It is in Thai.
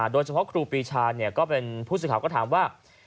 โดยเฉพาะครูพีชาเป็นผู้ส่งข่าวก็ถามว่า